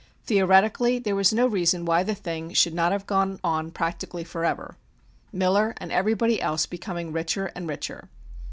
Theoretically, there was no reason why the thing should not have gone on practically forever, Miller and everybody else becoming richer and richer.